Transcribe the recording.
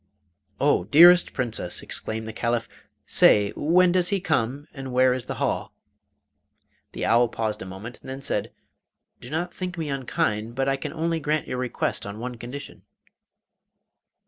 'Oh, dearest Princess!' exclaimed the Caliph, 'say, when does he come, and where is the hall?' The owl paused a moment and then said: 'Do not think me unkind, but I can only grant your request on one condition.